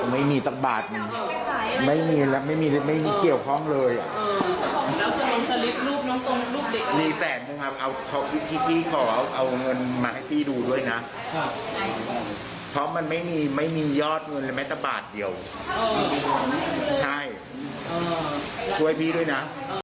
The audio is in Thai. เพราะมันไม่มียอดเงินแม้ตั้งบาทเดียวช่วยพี่ด้วยนะ